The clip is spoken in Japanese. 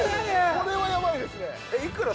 これはやばいですね。